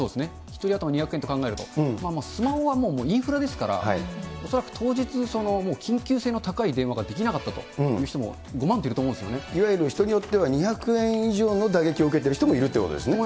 １人頭２００円と考えると、スマホはもうインフラですから、恐らく当日、緊急性の高い電話ができなかったという人も、いわゆる、人によっては２００円以上の打撃を受けている人もいるということですよね。